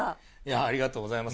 ありがとうございます。